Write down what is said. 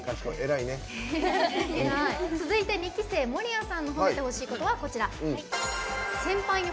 続いて２期生守屋さんの褒めてほしいこと。